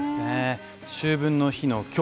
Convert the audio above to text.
秋分の日の今日